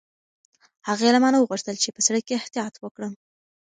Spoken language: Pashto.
هغې له ما نه وغوښتل چې په سړک کې احتیاط وکړم.